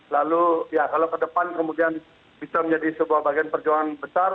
lalu ya kalau ke depan kemudian bisa menjadi sebuah bagian perjuangan besar